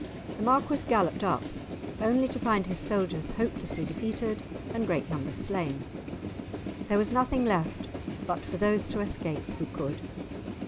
The Marquis galloped up, only to find his soldiers hopelessly defeated and great numbers slain. There was nothing left but for those to escape who could.